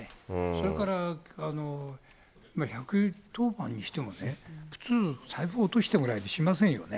それから１１０番してもね、普通、財布落としたぐらいでしませんよね。